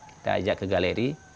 kita ajak ke galeri